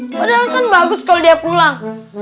padahal kan bagus kalau dia pulang